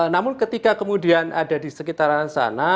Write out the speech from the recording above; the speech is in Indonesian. namun ketika kemudian ada di sekitaran sana